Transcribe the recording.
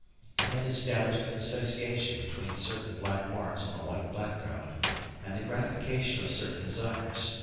It had established an association between certain black marks on a white background and the gratification of certain desires.